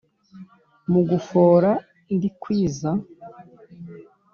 Mu gufora ndikwiza